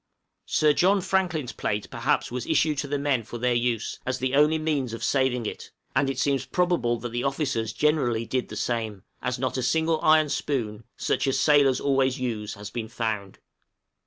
{CONJECTURES.} Sir John Franklin's plate perhaps was issued to the men for their use, as the only means of saving it; and it seems probable that the officers generally did the same, as not a single iron spoon, such as sailors always use, has been found.